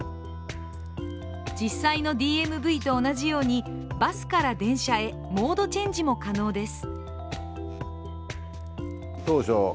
実際のＤＭＶと同じようにバスから電車へモードチェンジも可能です。